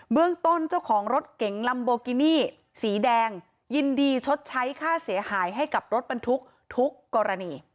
เรื่องต้นเจ้าของรถเก๋งลัมโบกินี่สีแดงยินดีชดใช้ค่าเสียหายให้กับรถบรรทุกทุกกรณี